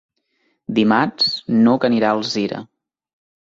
Dimarts n'Hug anirà a Alzira.